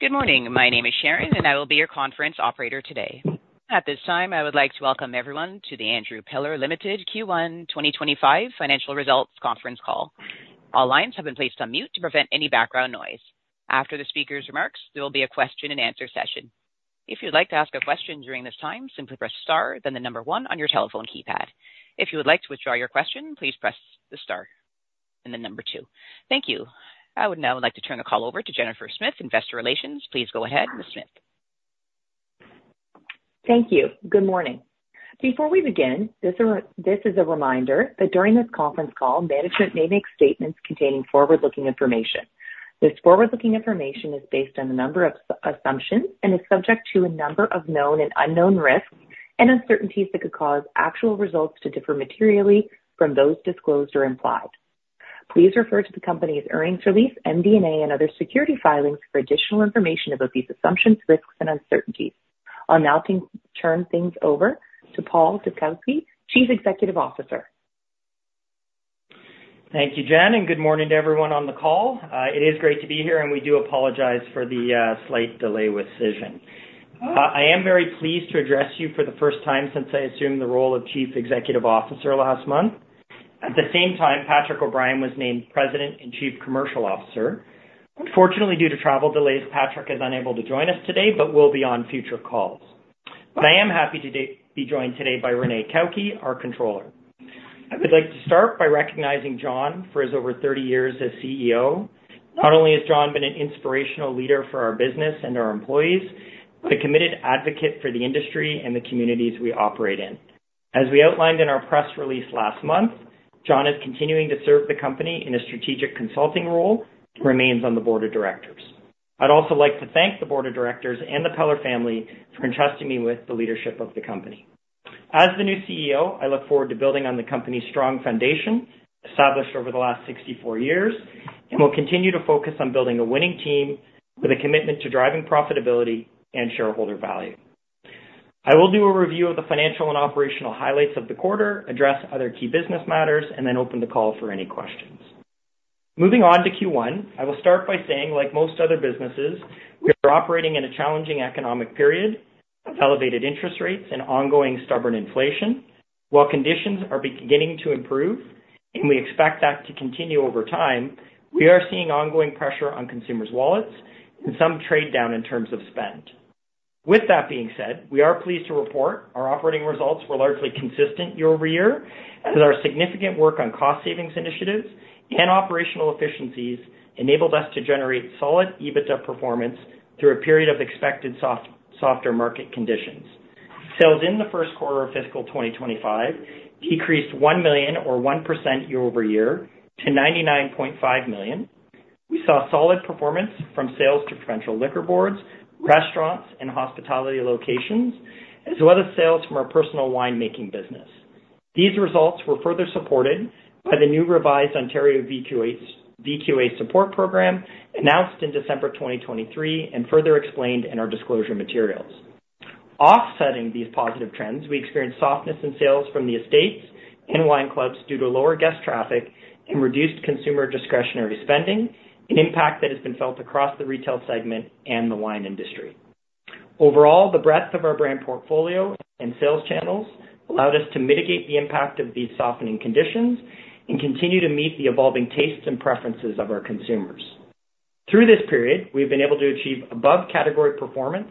Good morning. My name is Sharon, and I will be your conference operator today. At this time, I would like to welcome everyone to the Andrew Peller Limited Q1 2025 Financial Results Conference Call. All lines have been placed on mute to prevent any background noise. After the speaker's remarks, there will be a question-and-answer session. If you'd like to ask a question during this time, simply press star, then the number one on your telephone keypad. If you would like to withdraw your question, please press the star and then number two. Thank you. I would now like to turn the call over to Jennifer Smith, Investor Relations. Please go ahead, Ms. Smith. Thank you. Good morning. Before we begin, this is a reminder that during this conference call, management may make statements containing forward-looking information. This forward-looking information is based on a number of assumptions and is subject to a number of known and unknown risks and uncertainties that could cause actual results to differ materially from those disclosed or implied. Please refer to the company's earnings release, MD&A, and other security filings for additional information about these assumptions, risks, and uncertainties. I'll now turn things over to Paul Dubkowski, Chief Executive Officer. Thank you, Jen, and good morning to everyone on the call. It is great to be here, and we do apologize for the slight delay with Cision. I am very pleased to address you for the first time since I assumed the role of Chief Executive Officer last month. At the same time, Patrick O'Brien was named President and Chief Commercial Officer. Unfortunately, due to travel delays, Patrick is unable to join us today, but will be on future calls. I am happy to be joined today by Renee Cauchi, our Controller. I would like to start by recognizing John for his over 30 years as CEO. Not only has John been an inspirational leader for our business and our employees, but a committed advocate for the industry and the communities we operate in. As we outlined in our press release last month, John is continuing to serve the company in a strategic consulting role and remains on the board of directors. I'd also like to thank the board of directors and the Peller family for entrusting me with the leadership of the company. As the new CEO, I look forward to building on the company's strong foundation, established over the last 64 years, and will continue to focus on building a winning team with a commitment to driving profitability and shareholder value. I will do a review of the financial and operational highlights of the quarter, address other key business matters, and then open the call for any questions. Moving on to Q1, I will start by saying, like most other businesses, we are operating in a challenging economic period of elevated interest rates and ongoing stubborn inflation. While conditions are beginning to improve, and we expect that to continue over time, we are seeing ongoing pressure on consumers' wallets and some trade-down in terms of spend. With that being said, we are pleased to report our operating results were largely consistent year-over-year, as our significant work on cost savings initiatives and operational efficiencies enabled us to generate solid EBITDA performance through a period of expected softer market conditions. Sales in the first quarter of fiscal 2025 decreased CAD $1 million or 1% year-over-year to CAD $99.5 million. We saw solid performance from sales to provincial liquor boards, restaurants, and hospitality locations, as well as sales from our personal winemaking business. These results were further supported by the new revised Ontario VQA, VQA Support Program, announced in December 2023 and further explained in our disclosure materials. Offsetting these positive trends, we experienced softness in sales from the estates and wine clubs due to lower guest traffic and reduced consumer discretionary spending, an impact that has been felt across the retail segment and the wine industry. Overall, the breadth of our brand portfolio and sales channels allowed us to mitigate the impact of these softening conditions and continue to meet the evolving tastes and preferences of our consumers. Through this period, we've been able to achieve above-category performance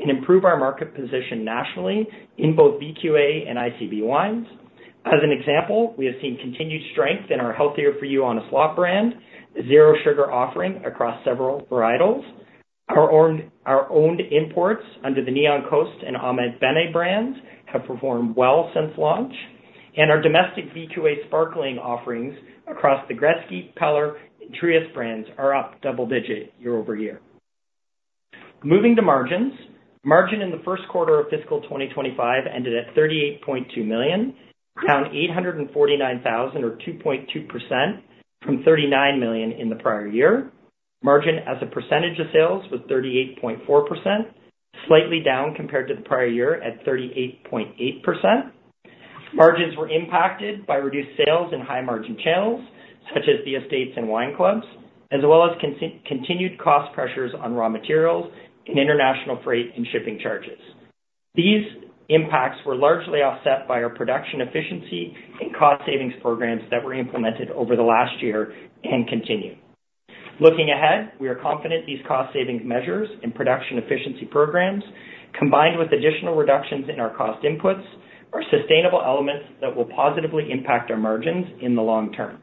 and improve our market position nationally in both VQA and ICB wines. As an example, we have seen continued strength in our healthier for you Honest Lot brand, zero sugar offering across several varietals. Our owned imports under the Neon Coast and Omé brands have performed well since launch, and our domestic VQA sparkling offerings across the Gretzky, Peller, and Trius brands are up double-digit year-over-year. Moving to margins. Margin in the first quarter of fiscal 2025 ended at 38.2 million, down 849,000 or 2.2% from 39 million in the prior year. Margin as a percentage of sales was 38.4%, slightly down compared to the prior year at 38.8%. Margins were impacted by reduced sales in high-margin channels, such as the estates and wine clubs, as well as continued cost pressures on raw materials and international freight and shipping charges. These impacts were largely offset by our production efficiency and cost savings programs that were implemented over the last year and continue. Looking ahead, we are confident these cost savings measures and production efficiency programs, combined with additional reductions in our cost inputs, are sustainable elements that will positively impact our margins in the long term.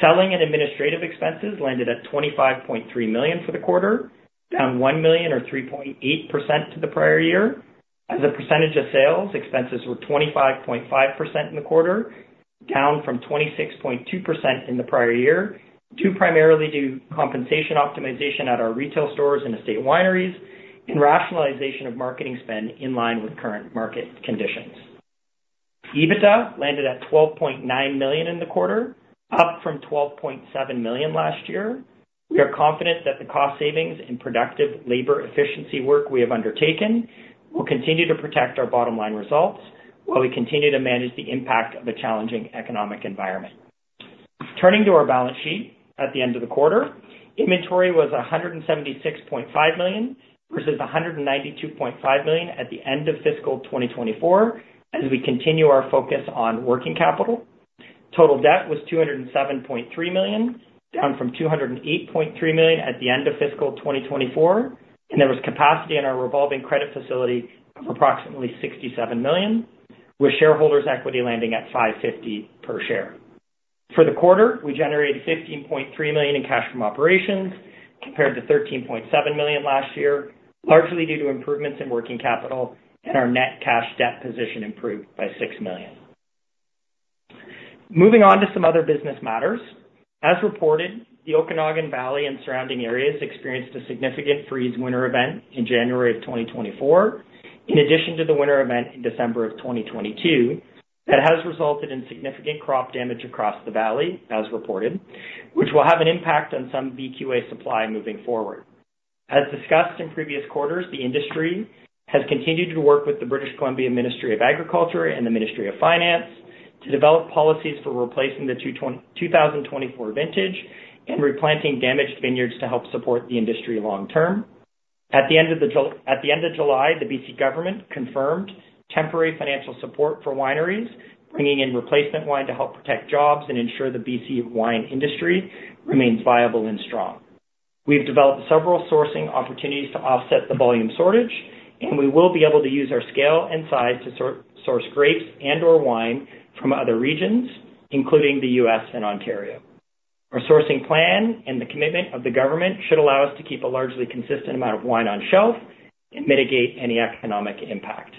Selling and administrative expenses landed at 25.3 million for the quarter, down 1 million or 3.8% to the prior year. As a percentage of sales, expenses were 25.5% in the quarter, down from 26.2% in the prior year, due primarily to compensation optimization at our retail stores and estate wineries and rationalization of marketing spend in line with current market conditions. EBITDA landed at 12.9 million in the quarter, up from 12.7 million last year. We are confident that the cost savings and productive labor efficiency work we have undertaken will continue to protect our bottom-line results while we continue to manage the impact of the challenging economic environment... Turning to our balance sheet at the end of the quarter, inventory was 176.5 million, versus 192.5 million at the end of fiscal 2024, as we continue our focus on working capital. Total debt was 207.3 million, down from 208.3 million at the end of fiscal 2024, and there was capacity in our revolving credit facility of approximately CAD 67 million, with shareholders' equity landing at CAD 5.50 per share. For the quarter, we generated CAD 15.3 million in cash from operations, compared to CAD 13.7 million last year, largely due to improvements in working capital, and our net cash debt position improved by 6 million. Moving on to some other business matters. As reported, the Okanagan Valley and surrounding areas experienced a significant freeze winter event in January 2024, in addition to the winter event in December 2022, that has resulted in significant crop damage across the valley, as reported, which will have an impact on some VQA supply moving forward. As discussed in previous quarters, the industry has continued to work with the British Columbia Ministry of Agriculture and the Ministry of Finance to develop policies for replacing the 2022, 2023, and 2024 vintage and replanting damaged vineyards to help support the industry long-term. At the end of July, the BC government confirmed temporary financial support for wineries, bringing in replacement wine to help protect jobs and ensure the BC wine industry remains viable and strong. We've developed several sourcing opportunities to offset the volume shortage, and we will be able to use our scale and size to source grapes and/or wine from other regions, including the U.S. and Ontario. Our sourcing plan and the commitment of the government should allow us to keep a largely consistent amount of wine on shelf and mitigate any economic impact.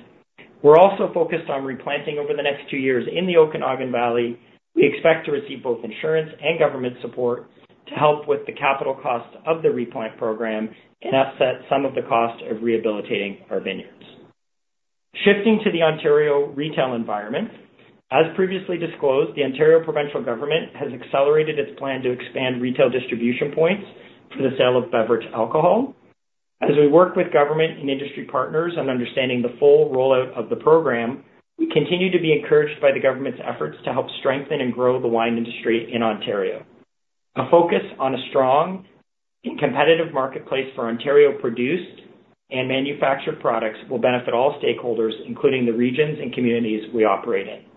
We're also focused on replanting over the next two years in the Okanagan Valley. We expect to receive both insurance and government support to help with the capital costs of the replant program and offset some of the costs of rehabilitating our vineyards. Shifting to the Ontario retail environment. As previously disclosed, the Ontario provincial government has accelerated its plan to expand retail distribution points for the sale of beverage alcohol. As we work with government and industry partners on understanding the full rollout of the program, we continue to be encouraged by the government's efforts to help strengthen and grow the wine industry in Ontario. A focus on a strong and competitive marketplace for Ontario-produced and manufactured products will benefit all stakeholders, including the regions and communities we operate in.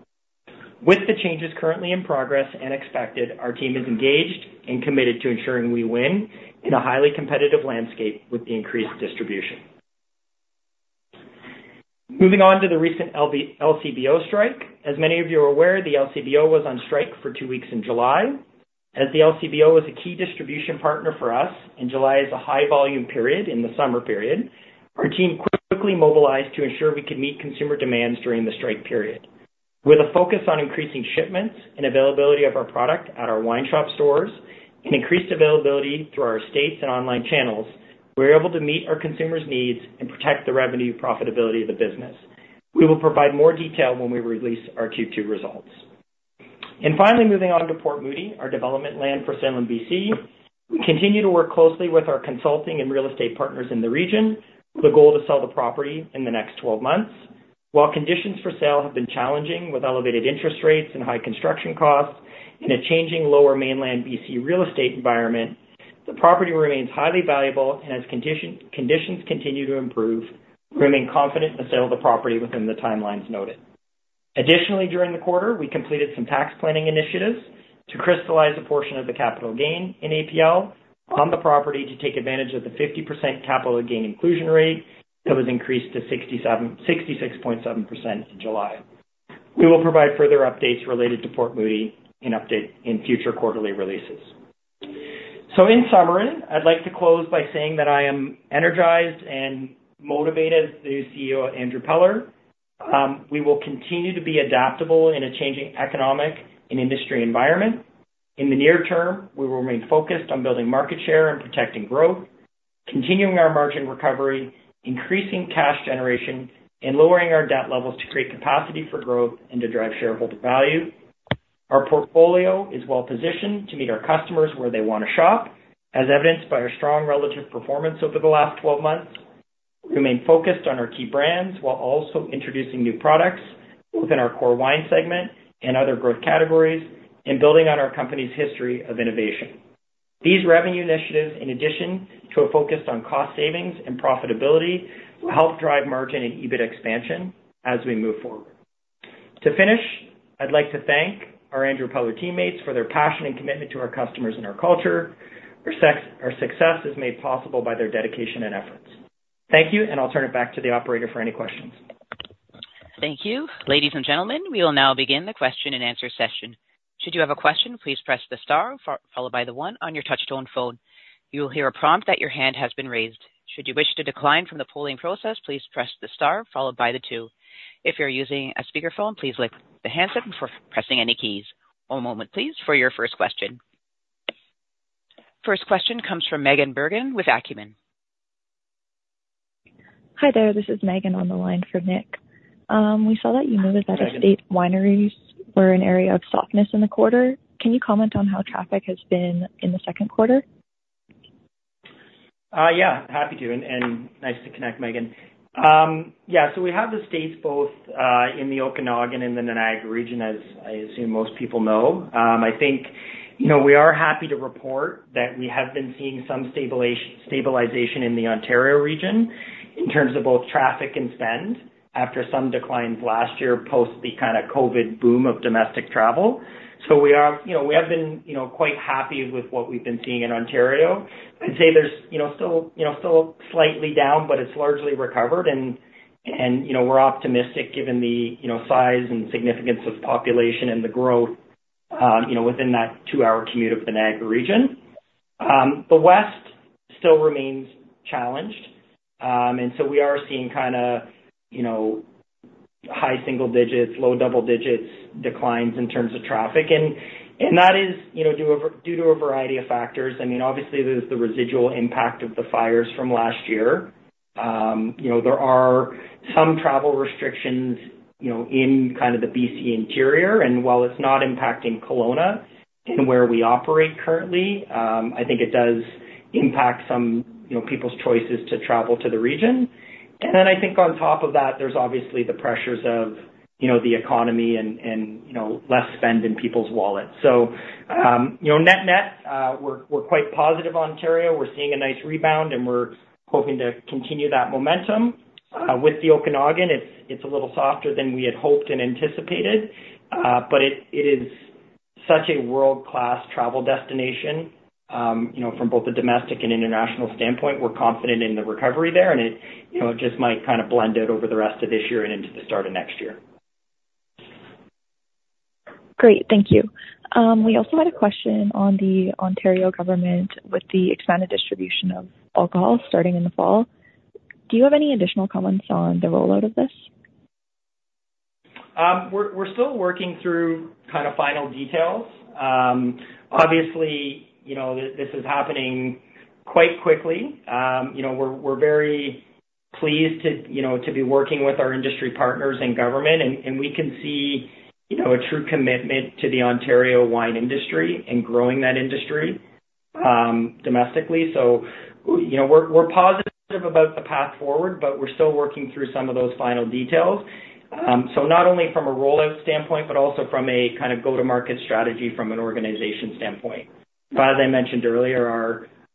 With the changes currently in progress and expected, our team is engaged and committed to ensuring we win in a highly competitive landscape with the increased distribution. Moving on to the recent LCBO strike. As many of you are aware, the LCBO was on strike for two weeks in July. As the LCBO is a key distribution partner for us, and July is a high-volume period in the summer period, our team quickly mobilized to ensure we could meet consumer demands during the strike period. With a focus on increasing shipments and availability of our product at our Wine Shop stores and increased availability through our estates and online channels, we were able to meet our consumers' needs and protect the revenue profitability of the business. We will provide more detail when we release our Q2 results. And finally, moving on to Port Moody, our development land for sale in BC. We continue to work closely with our consulting and real estate partners in the region, with the goal to sell the property in the next 12 months. While conditions for sale have been challenging, with elevated interest rates and high construction costs and a changing Lower Mainland BC real estate environment, the property remains highly valuable, and as conditions continue to improve, we remain confident in the sale of the property within the timelines noted. Additionally, during the quarter, we completed some tax planning initiatives to crystallize a portion of the capital gain in APL on the property to take advantage of the 50% capital gain inclusion rate that was increased to 66.7% in July. We will provide further updates related to Port Moody in future quarterly releases. So in summary, I'd like to close by saying that I am energized and motivated as the new CEO at Andrew Peller. We will continue to be adaptable in a changing economic and industry environment. In the near term, we will remain focused on building market share and protecting growth, continuing our margin recovery, increasing cash generation, and lowering our debt levels to create capacity for growth and to drive shareholder value. Our portfolio is well positioned to meet our customers where they want to shop, as evidenced by our strong relative performance over the last 12 months. We remain focused on our key brands while also introducing new products within our core wine segment and other growth categories and building on our company's history of innovation. These revenue initiatives, in addition to a focus on cost savings and profitability, will help drive margin and EBIT expansion as we move forward. To finish, I'd like to thank our Andrew Peller teammates for their passion and commitment to our customers and our culture. Our success is made possible by their dedication and efforts. Thank you, and I'll turn it back to the operator for any questions. Thank you. Ladies and gentlemen, we will now begin the question-and-answer session. Should you have a question, please press the star followed by the one on your touch-tone phone. You will hear a prompt that your hand has been raised. Should you wish to decline from the polling process, please press the star followed by the two. If you're using a speakerphone, please lift the handset before pressing any keys. One moment, please, for your first question. First question comes from Megan Bergen with Acumen. Hi there. This is Megan on the line for Nick. We saw that you noted that estate wineries were an area of softness in the quarter. Can you comment on how traffic has been in the second quarter? Yeah, happy to and nice to connect, Megan. Yeah, so we have the estates both in the Okanagan and the Niagara region, as I assume most people know. I think, you know, we are happy to report that we have been seeing some stabilization in the Ontario region in terms of both traffic and spend, after some declines last year post the kind of COVID boom of domestic travel. So we are, you know, we have been, you know, quite happy with what we've been seeing in Ontario. I'd say there's, you know, still, you know, still slightly down, but it's largely recovered, and you know, we're optimistic, given the, you know, size and significance of the population and the growth, you know, within that two-hour commute of the Niagara region. The West still remains challenged. And so we are seeing kind of, you know, high single digits, low double digits declines in terms of traffic. And that is, you know, due to a variety of factors. I mean, obviously, there's the residual impact of the fires from last year. You know, there are some travel restrictions, you know, in kind of the BC interior, and while it's not impacting Kelowna where we operate currently, I think it does impact some, you know, people's choices to travel to the region. And then I think on top of that, there's obviously the pressures of, you know, the economy and, you know, less spend in people's wallets. So, you know, net-net, we're quite positive on Ontario. We're seeing a nice rebound, and we're hoping to continue that momentum. With the Okanagan, it's a little softer than we had hoped and anticipated. But it is such a world-class travel destination, you know, from both a domestic and international standpoint. We're confident in the recovery there, and it, you know, it just might kind of blend out over the rest of this year and into the start of next year. Great. Thank you. We also had a question on the Ontario government with the expanded distribution of alcohol starting in the fall. Do you have any additional comments on the rollout of this? We're still working through kind of final details. Obviously, you know, this is happening quite quickly. You know, we're very pleased to, you know, to be working with our industry partners in government, and we can see, you know, a true commitment to the Ontario wine industry and growing that industry, domestically. So, you know, we're positive about the path forward, but we're still working through some of those final details. So not only from a rollout standpoint, but also from a kind of go-to-market strategy from an organization standpoint. But as I mentioned earlier,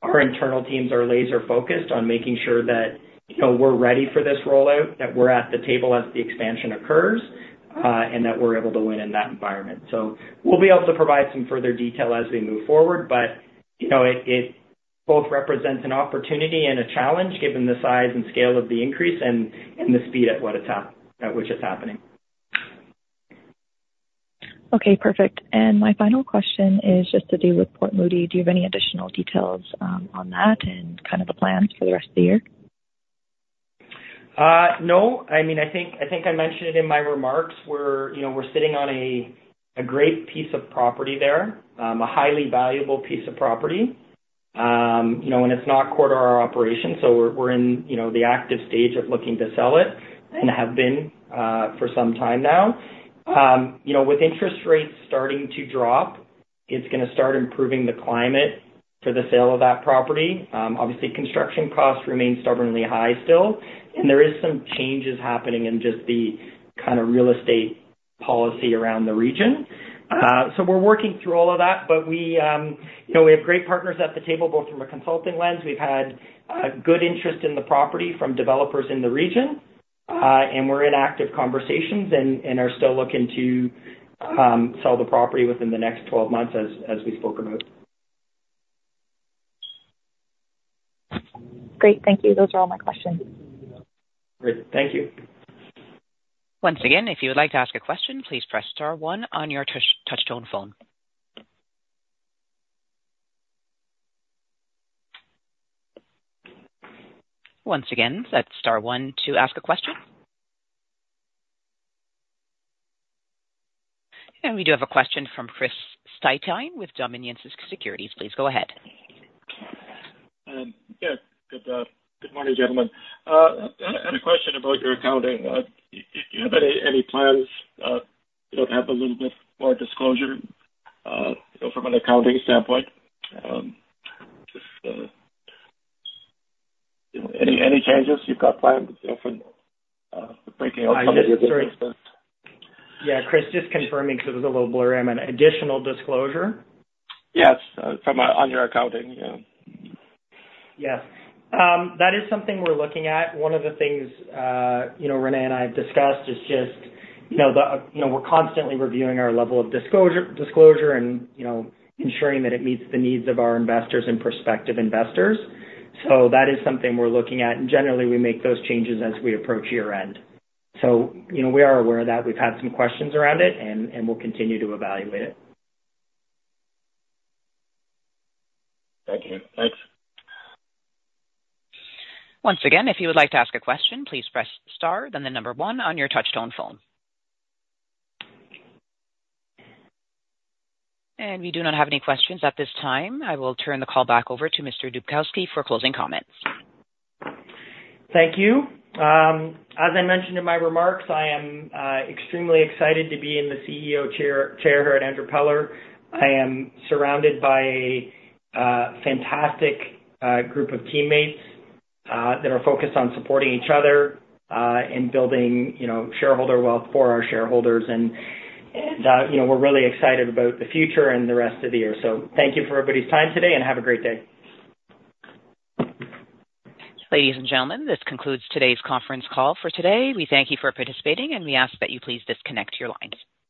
our internal teams are laser-focused on making sure that, you know, we're ready for this rollout, that we're at the table as the expansion occurs, and that we're able to win in that environment. So we'll be able to provide some further detail as we move forward, but, you know, it both represents an opportunity and a challenge, given the size and scale of the increase and the speed at which it's happening. Okay, perfect. And my final question is just to do with Port Moody. Do you have any additional details on that and kind of the plans for the rest of the year? No. I mean, I think, I think I mentioned it in my remarks. We're, you know, we're sitting on a, a great piece of property there, a highly valuable piece of property. You know, and it's not core to our operations, so we're, we're in, you know, the active stage of looking to sell it and have been, for some time now. You know, with interest rates starting to drop, it's gonna start improving the climate for the sale of that property. Obviously, construction costs remain stubbornly high still, and there is some changes happening in just the kind of real estate policy around the region. So we're working through all of that, but we, you know, we have great partners at the table, both from a consulting lens. We've had, good interest in the property from developers in the region. We're in active conversations and are still looking to sell the property within the next 12 months, as we've spoken about. Great. Thank you. Those are all my questions. Great. Thank you. Once again, if you would like to ask a question, please press star one on your touch-tone phone. Once again, that's star one to ask a question. And we do have a question from Chris Li with Desjardins Securities. Please go ahead. Yeah, good morning, gentlemen. I had a question about your accounting. Do you have any plans, you know, to have a little bit more disclosure, you know, from an accounting standpoint? Just, you know, any changes you've got planned, you know, from breaking out- Yeah, Chris, just confirming, because it was a little blurry. I mean, additional disclosure? On your accounting, yeah. Yes. That is something we're looking at. One of the things, you know, Renee and I have discussed is just, you know, the, you know, we're constantly reviewing our level of disclosure, disclosure and, you know, ensuring that it meets the needs of our investors and prospective investors. So that is something we're looking at, and generally, we make those changes as we approach year-end. So, you know, we are aware of that. We've had some questions around it, and we'll continue to evaluate it. Thank you. Thanks. Once again, if you would like to ask a question, please press star, then the number one on your touch-tone phone. We do not have any questions at this time. I will turn the call back over to Mr. Dubkowski for closing comments. Thank you. As I mentioned in my remarks, I am extremely excited to be in the CEO chair here at Andrew Peller. I am surrounded by a fantastic group of teammates that are focused on supporting each other and building, you know, shareholder wealth for our shareholders. And you know, we're really excited about the future and the rest of the year. So thank you for everybody's time today, and have a great day. Ladies and gentlemen, this concludes today's conference call for today. We thank you for participating, and we ask that you please disconnect your lines.